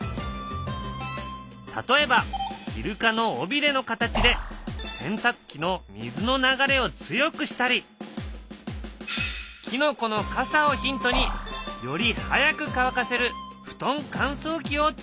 例えばイルカの尾びれの形で洗たく機の水の流れを強くしたりキノコのかさをヒントにより早く乾かせる布団かんそう機をつくったりした。